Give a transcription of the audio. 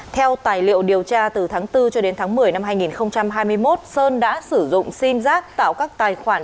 theo tài liệu điều tra từ tháng bốn cho đến tháng một mươi năm hai nghìn hai mươi một sơn đã sử dụng sim giác tạo các tài khoản